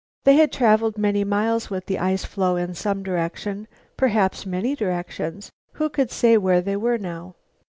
They had traveled many miles with the ice floe in some direction, perhaps many directions. Who could say where they were now?